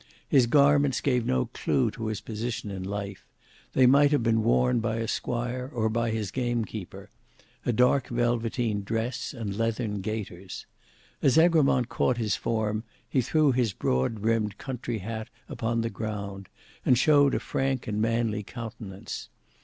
His garments gave no clue to his position in life: they might have been worn by a squire or by his gamekeeper; a dark velveteen dress and leathern gaiters. As Egremont caught his form, he threw his broad brimmed country hat upon the ground and showed a frank and manly countenance.